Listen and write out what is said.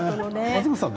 松坂さん